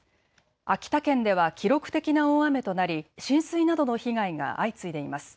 秋田県では記録的な大雨となり浸水などの被害が相次いでいます。